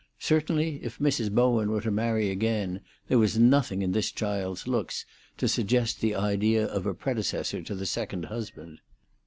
Certainly, if Mrs. Bowen were to marry again, there was nothing in this child's looks to suggest the idea of a predecessor to the second husband.